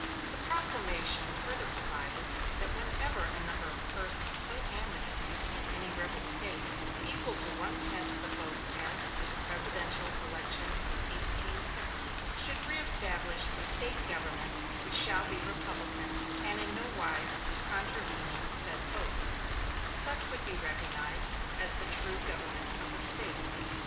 The proclamation further provided that whenever a number of persons so amnestied in any rebel State, equal to one tenth the vote cast at the presidential election of 1860, should "reëstablish a State government which shall be republican, and in no wise contravening said oath," such would be recognized as the true government of the State.